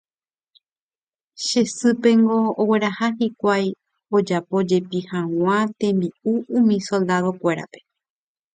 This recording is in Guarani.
che sýpengo ogueraha hikuái ojapo jepi hag̃ua tembi’u umi soldado-kuérape